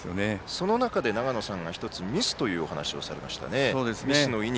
その中で、長野さんが１つミスというお話をされました。